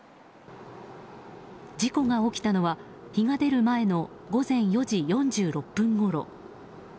事故が起きたのは日が出る前の午前４時４６分ごろ。